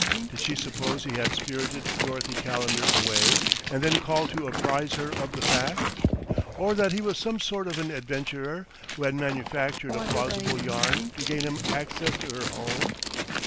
Did she suppose he had spirited Dorothy Calendar away and then called to apprise her of the fact? Or that he was some sort of an adventurer, who had manufactured a plausible yarn to gain him access to her home?